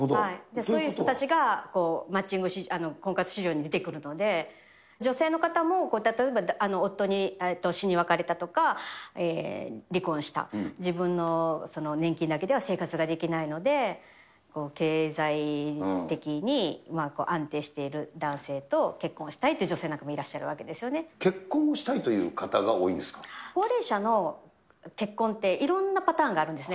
そういう人たちが婚活市場に出てくるので、女性の方も、例えば夫に死に別れたとか、離婚した、自分の年金だけでは生活ができないので、経済的に安定している男性と結婚したいという女性なんかもいらっ結婚したいという方が多いん高齢者の結婚って、いろんなパターンがあるんですね。